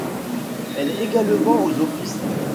Elle est également aux Offices.